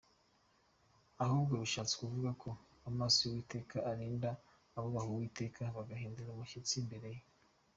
ahubwo bishatse kuvuga ko amaso y'Uwiteka arinda abubaha Uwiteka bagahindira umushyitsi imbere ye.